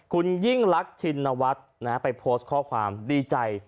คุณยิ่งรักชินวัฒน์ไปโพสต์ข้อความดีใจ